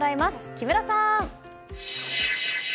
木村さん。